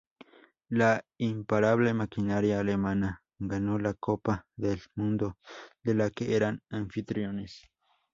La imparable maquinaria alemana ganó la Copa del mundo de la que eran anfitriones.